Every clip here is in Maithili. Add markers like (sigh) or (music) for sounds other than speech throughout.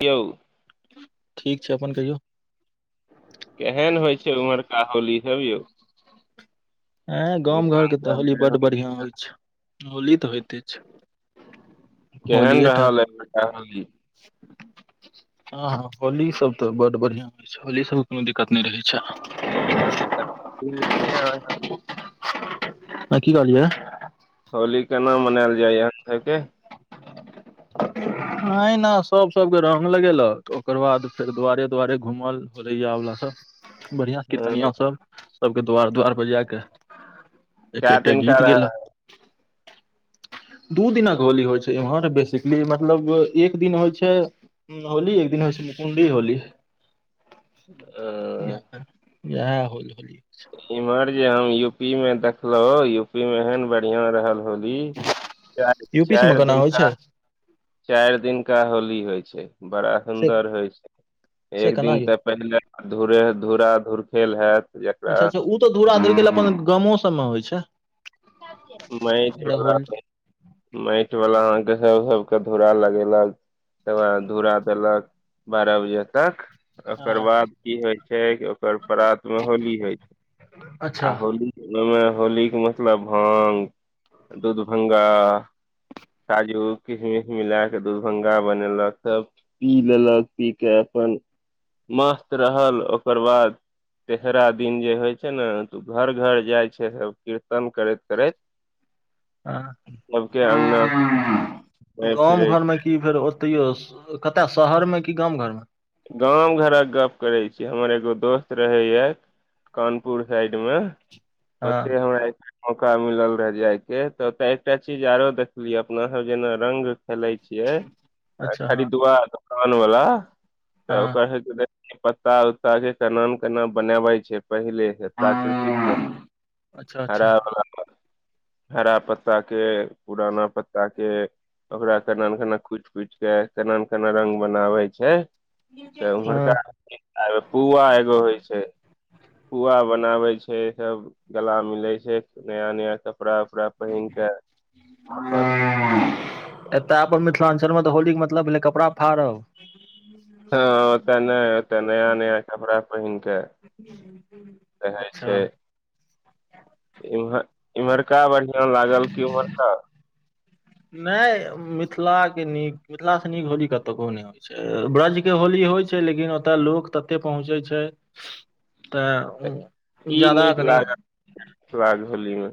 कियौ ठीक छै अपन कहियौ केहन होइ छै ओम्हरका होली सब यौ ऐं गाम घरके त मिथिलाञ्चल होली के बड् बढ़िया होई छै होली तऽ होइते छै केहन होलिये टा रहल अइ (unintelligible) कही हँ हँ होली सब तऽ बड बढ़िआं होली सभ मे कोनो दिक्कत नै रहै छै (unintelligible) आ की कहलियै होली केना मनायल जाइ य यहाँ सभके ऐना सब सबके रंग लगेलक ओकर बाद फेर दुआरे दुआरे घुमल फदैयावला सभ बढ़िया हँ कीर्तनिया सब सभके दुवार दुवार पर जा क एक कै एकटा दिनका गीत गेल रहै दू दिनक होली होइ छै इम्हर बेसिकली मतलब एक दिन होइ छै हू होली एकदिन होइ छै मुकुंडी होली य इए (unintelligible) ह होल होली इम्हर जे हम यू पी मे देखलो यूपी मे एहन बढ़िया रहल होली च यूपी चारि सबमे दिन केना होइ का छै चैर दिनका होली होइ छै बड़ा से सुन्दर होइ छै से एक केना दिन यौ तऽ पहिले धुरे धूरा धुरखेल हायत अच्छा अच्छा ओ तऽ धूराधर गेल अपन गामो सभमे होइ छै माटि ओकरा वला होल माटि वला अहाँके सभ सबके धूरा लगेलक तकर बाद धूरा देलक बारह बजे तक आ ओकर बाद की होइ छै कि ओकर प्रात मे होली होइ छै आ अच्छा होली ओहिमे होलीके मतलब भांग दूधभंगा काजू किशमिश मिला क दुधभंगा बनेलक सब पी लेलक पी के अपन मस्त रहल ओकर बाद तेहरा दिन जे होय छै ने त घर घर जाय छै सब कीर्तन करैत (unintelligible) सबके अङगना घुमै गाँम फिरै घरमे की फेर ओ तैयो कतय शहर में की गाम घर में गाम घरक गप करै छी हमर एगो दोस्त रहैया कानपुर साइड मे हँ ओते हमरा मौका मिलल रहे जाय के तऽ ओते एकटा चीज आरो देखलिय अपना सब जेना रंग खेलाय छियै अच्छा हँ खरीदुआ दोकान वला त हँ ओकरे पत्ता (unintelligible) उत्ता के केना केना बनबै छै पहिले हे प्राकृतिक अच्छा अच्छा हराबला हरा पत्ता के पुराना पत्ता के ओकरा केना न केना कुइट कुइट के केना ने केना रंग बनाबै छै तऽ हँ उम्हरका पुआ एगो होइ छै पुआ बनाबे छै सब गला मिलै छै नया नया कपड़ा उपड़ा पैन के एखन (unintelligible) हूं एतय अपन मिथिलांचल मे त होली के मतलब भेलै कपड़ा फाड़ब तॅं ओत ने ओत नया नया कपड़ा बहिन के रहै अच्छा छै इमहर इम्हरका बढ़ियां लागल की उम्हरका नहि मिथिलाके नीक मिथिलासँ नीक होली कतो नहि होली ब्रज के होली होइ छै लेकिन ओतय लोक तते पहुँचै छै तऽ उ जादा कनी सुराग होली में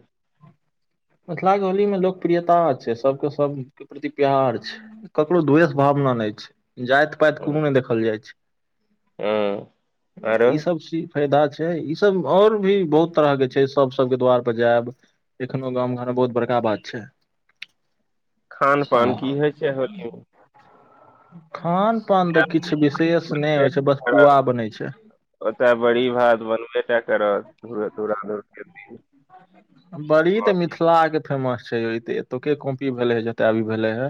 मिथिला के होली मे लोकप्रियता छै सबके सब प्रति प्यार छै ककरो द्वेष भावना नहि छै जाइत पाइत कोनो नहि देखल जाइ छै हँ आरो ई सब चीज फायदा छै ई सब आओर भी बहुत तरह के छै सब सबके द्वार पर जायब गाँव घर मे बहुत बड़का बात छै खानपान की आ होइ छै होली में खान पान तऽ किछु विशेष नै होइ छै बस पुआ बनै छै ओत बड़ी भात बनबे टा करत दूर बड़ी तऽ मिथिला के फेमस छै एतु कॉपी भेले हे जतय भी भेलै हे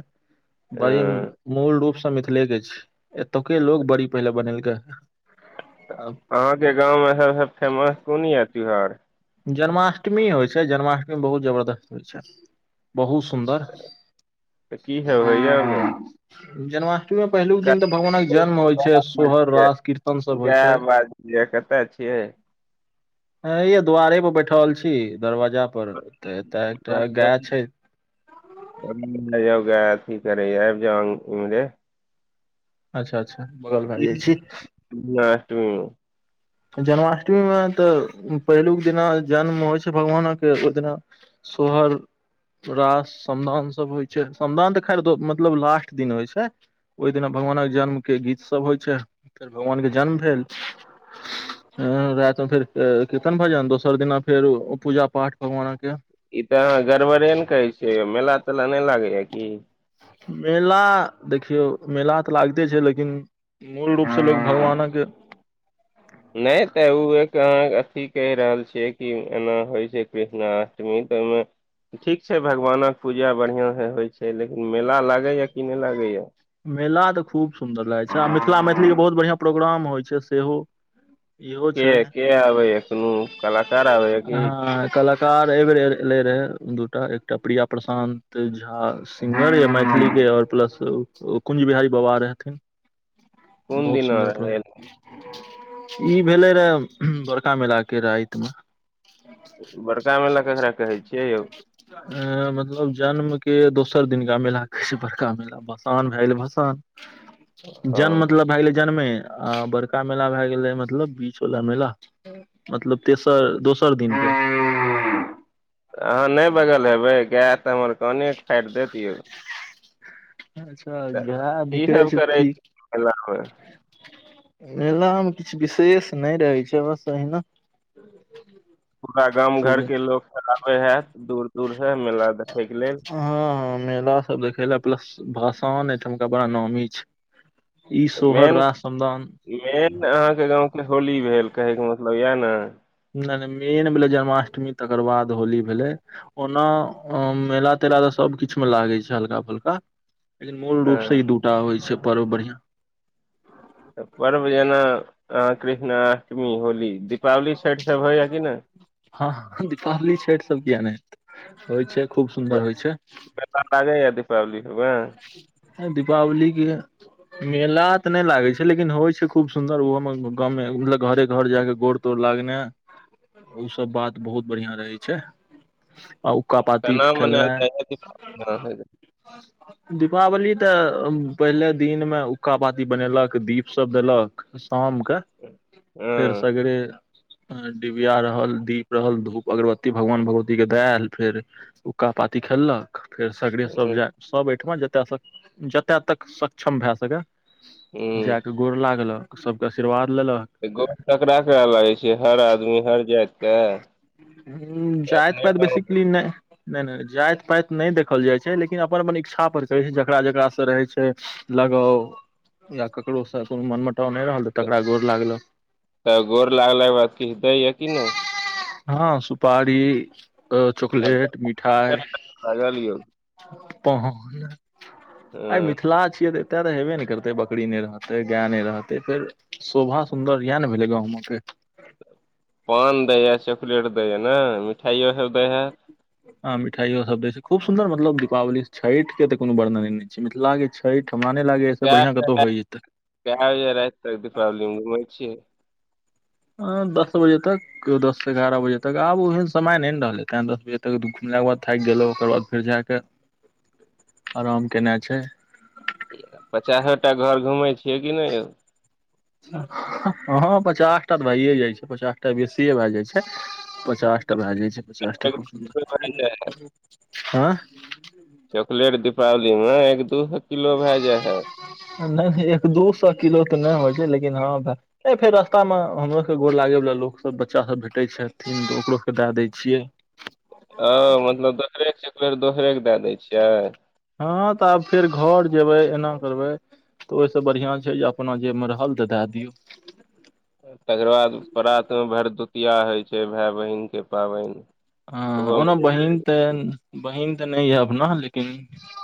बड़ी हँ मूल रूपसँ मिथिलेके छै एतुके लोक बड़ी पहिले बनेलकै हे तऽ अहाँक (unintelligible) जन्माष्टमी अबय छै छै जन्माष्टमी बहुत जबरदस्त होइ छै बहुत सुन्दर तऽ की सब होइया ओहिमे जनमा मे पहिलुक दिन तऽ भगवान के जन्म होइ छै सोहर रास कीर्तन सब होइ छै कए बाजिय कत (unintelligible) एछिय हे दुआरे पर बैठल छी दरवाजा पर त एतय एकटा गाय छै गा अथी करै आबि जौ इमहरे अच्छा अच्छा बगल भए जाइ छी नष््ती (unintelligible) जन्माष्टमीमे तऽ पहिलुक दिना जन्म होइ छै भगवानके ओहि दिना शोहर परा समदाउान सभ होइ छै समदान तऽ खैर मतलब लास्ट दिन होइ छै ओहि दिना भगवानक जन्मके गीत सब होइ छै फेर भगवानके जन्म भेल (inaudible) राति मे फेर र्कीतन भजन दोसर दिना फेर पूजा पाठ भगवाना के ई तऽ अहाँ गड़बड़े ने करै छी यो मेला तेला नहि लागै या की मेला देखियौ मेला त लागते छै लेकिन मूल रूप से लोक भगवानक नहि त ओ एक अहाँ अथी कहि रहल छियै कि एना होइ छै कृष्णाष्टमी त ओहिमे ठीक छै भगवानक पूजा बढ़िआं से होइ छै लेकिन मेला लागैएा कि नहि लागैए मेला तऽ खूब सुन्दर लागै छै आ मिथिला मैथिलीके बहुत बढ़िआँ प्रोग्राम होइ छै सेहो इहो के छै के आबै या कोनो कलाकार आबै या की ह कल कार एहिबर एले रहै दूटा एकटा प्रिया प्रशान्त झा सिंगर य मैथिली के ओर प्लस ओ कुंज बिहारी बाबा रहथिन कोन बहुत दिना सुन्दर प्र रहै ई भेले रहए बड़का मेला के रात में बड़का मेला केकरा कहे अ मतलब जन्म के दोसर दिननका मेला कहै छै बड़का मेला आ भसान भए गेलै भसान (inaudible) जन्म हँ मतलब भए गेलै जन्मे आ बड़का मेला भए गेलै मतलब बीचवला मेला मतलब तेसर दोसर दिनक अहाँ नै बजल हेबै गाएस हमर कानके फाइर देतयौ अच्छा घा की निकरे सब छै करै की छी मेलामे मेलामे किछु विशेष नहि रहै छै बस अहिना पूरा गाम घर पूजा के लोग तऽ आबे है दूर दूर हए मेला देखे के लेल हँ हँ मेला सब देखे ले प्लस भसोन एठमका बड़ा नामी छै ई सोहर मेन रा समदान मेन अहाँके गाँवके होली भेल कहैके मतलब यै ने नहि नहि मेन भेलै जन्माष्टमी तकर बाद होली भेलै ओना मेला तेला त सबकिछु मे लागे छै हल्का फल्का लेकिन मूल रूप से ई हँ दूटा होइ छै पर्व बढ़ियां पर्व जेना अ कृष्णाष्टमी होली दीपावली छठि सब होइए कि नहि हँ दीपावली छठि सब किए नहि हेतै होइ छै खूब सुन्दर होइ छै लागैया दीपावली बए (unintelligible) दीपावलीे के मेला तऽ नहि लागे छै लेकिन होइ छै खूब सुन्दर ओहो मे गाँवमें मतलब घरे घर जाय के गोर तोर लागने इ सब बात बहुत बढ़िया रहे छै आ उक्का पाती खेलनाइ आ दीपावली त पहिले दिनमे हुक्का पाती बनेलक दीप सभ देलक शामके फेर हँ सगरे डिबिया रहल दीप रहल धूप अगरबत्ती भगवान भगवती के दया आयल फेर हूका पाती खेललक फेर सगरे सब हँ जाय सब ओहिठमा जतस जतय तक सक्षम भए सकए हँ जा के गोर लागलक सबके आशीर्वाद लेलक गो ककरा ककरा लगे छै हर आदमी हर जाति हूं जात अपने पात गाँव बेसिकली नहि नय नय जाइत पाइत नहि देखल जाइ छै लेकिन अपन अपन इच्छा पर छै जकरा जेकरा स रहय छै लगााव या ककरो से कोनो मनमटाव नहि रहल त तकरा गोर लागल त गोर लागलाके बाद किछु दैए कि नहि हँ सुपारी आब चॉकलेट तऽ मिठाई लागल यौ आइ हँ मिथिला छियै तऽ एते तऽ हेबे ने करतै बकरी नहि रहते गाय नहि रहतै फेर शोभा सुन्दर इएह ने भेलै गावंमे के ' पान दै हए चॉकलेट दै है ने मिठाइयो सभ दै हैत आ मिठायो सब देय छै खूब सुन्दर मतलब दीपावली छठ के तऽ कोनो वर्णने ने छै मिथिला के अहि ठमा नहि लागैया अइ स बढ़िया कतहु होइत (unintelligible) कै बजे राति तक दीपावली मे घुमै छियै आ दस बजे तक ' केओ दससँ एगारह बजे तक आब ओहन समय नहि ने रहलै तैँ दस बजे तक घुमलाके बाद थाकि गेलहुँ ओकर बाद फेर जा कऽ आराम केना छै पचासो टा घर घुमै छियै कि नहि हँ पचास टा तऽ भै ए जाइ छै पचास टा बेसिए भै जाइ छै पचास टा भए जाइ छै पचासटा एक खूब दू किलो भए जाइ है सुन्दर हँ चॉकलेट दीपावलीमे एक दु सो किलो भ जाइत हैत नहि एक दू सए किलो तऽ नहि हो छै लेकिन हँ ' नहि फेर रास्ता मे हमरो के गोर लागे वाला लोक सब बच्चा सब भेटै छथिन तऽ ओकरो के दए दये छियै हँ मतलब दोसरे के चाँकलेट दोसरे के दै दै छियै हँ तऽ आब फेर घर जेबय एना करबय ओहिसँ बढ़िआँ छै जे अपना जेब मे रहल तऽ दए दियौ तकर बाद प्रातमे भरदुतिया होइत छै भाय बहिनके पाबनि हँ ओहो ओना बहिन तऽ बहिन तऽ नहि यए अपना लेकिन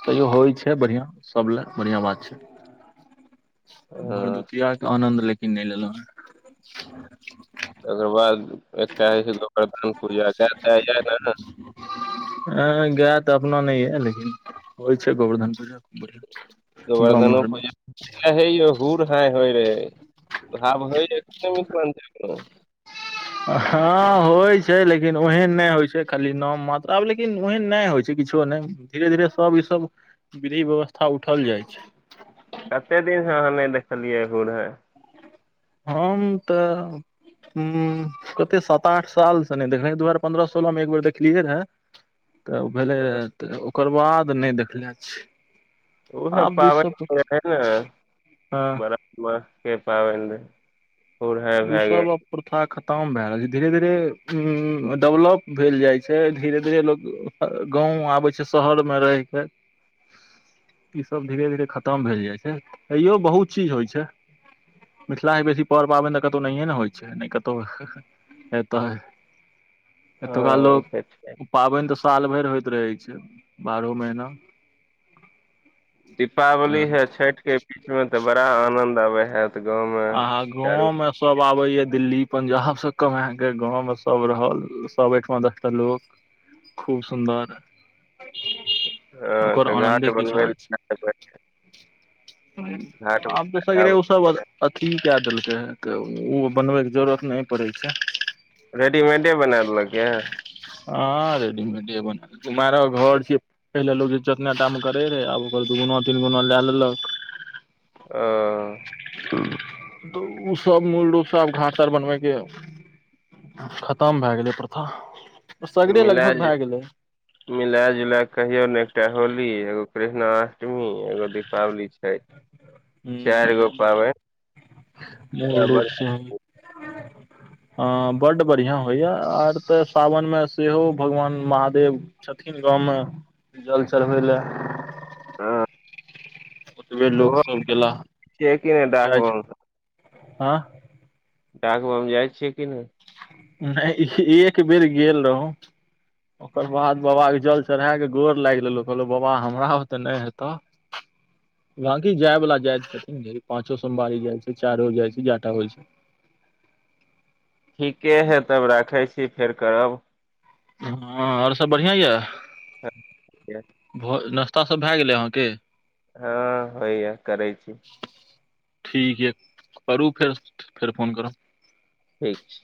तैयो होइ छै बढ़ियां सब लए बढ़ियां बात छै। हँ भरदुतिआके आनन्द लेकिन नहि लेलहुँ रेहे ओकर बाद एकटा होइ छै गोबर्धन पूजा ग ने (unintelligible) ह गाय तऽ अपना नहि य लेकिन होइ छै गोवर्धन पूजा खूब बढ़िआँ गाम गोवर्धन घरमे पूजा हे यौ हूर हाय होइ रहै भा भै ने मिश मन (unintelligible) हँ होइ छै लेकिन ' लेकिन ओहन नहि होइ छै खाली नाम मात्रा आब लेकिन ओहन नहि होइ छै किछो नहि धीरे धीरे सभ इसभ विधी व्यवस्था उठल जाइ छै। कते दिनसँ अहाँ नहि देखलियै हूर हाय हम तऽ हूं कते सात आठ साल से नहि देखल दू हजार पन्द्रह सोलह मे एक बेर देखलियै रहै (inaudible) तऽ भेले रहय तऽ ओकर बाद नहि देखले छिये ओ सब पाबनि हो है ने हँ बरा (unintelligible) म के पाबनि हूर हाय ई भए गेल सब प्रथा खतम भए रहल छै धीरे धीरे डेवलप भेल जाइ छै धीरे धीरे लोक गाँव आबै छै शहर मे रहिके ह (inaudible) ई सब धीरे धीरे खतम भेल जाय छै तयो बहुत चीज होइ छै मिथिला मे बेसी पर पाबनि तऽ कतउ नहिए ने होइ छै नहि कतौ ए तऽ हँ एतुका ओ लोक सब छै पाबनि तऽ साल भरि होइत रहैत छै बारहो महीना दीपावली तऽ हे छठि के बीच में तऽ बड़ा आनंद आबे हैत गाँवमे आहाँ चारू गाँव मे सब सब आबे या दिल्ली पंजाब सँ कमाके गाँव मे सब रहल सब एकठमा दसटा लोक खूब सुन्दर हँ ओकर तऽ घाट आनन्दे बनबै विचार लए घाट आब त सगरे उ सब ' अथी कै देलकै तऽ ओ बनबैके जरूरत त नहि पड़ै छै रेडीमेडे बना देएल कए हँ रेडीमेड बना कुमार घर छै पहिले लोग जतने दाम करै रहै आब ओकर दुगुना तीन गुना लए लेलक ह (inaudible) (unintelligible) तऽ उ सब मूल रूपसँ आब घास आर बनबैके खतम भै गैलै प्रथा सगरे मिला लगभग भै गेलै मिला जुला क कहियौ ने एकटा होली एगो कृहणाष्टमी एगो दीपावली छै चैर गो पाबै मूल बराबर (inaudible) ह बड बढ़ियां होइया आर तऽ सावन मे सेहो भगवान महादेव छथिन गाँवमे जल चढ़बै लए हँ अबेर लोक ओहो सब गेला छियै कि नहि डाक जाइ बम छै हँ डाकबम जाइ छियै कि नहि एक बेर गेल रहू ओकर बाद बबा के जल चढ़ा क गोर लागि लेलहु कहलहु बबा हमरा भुते नहि हेत (inaudible) (inaudible) बंकी जाय वाला जाय छथिन ढेरी पांचो सोमवारी जाय छै चारो जाय छै जएटा होइ छै ठीके है तब राखै छी फेर करब हँ आओर सब बढ़िआँ य हँ (unintelligible) भ नाश्ता सब भए गेलै अहाँके हँ होइयए करै छी ठीक य करू फेर फेर फोन करब ठीक छै